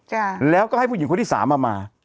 จ้ะแล้วก็ให้ผู้หญิงคนที่สามมามา